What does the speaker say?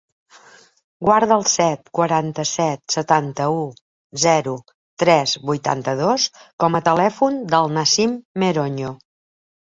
Guarda el set, quaranta-set, setanta-u, zero, tres, vuitanta-dos com a telèfon del Nassim Meroño.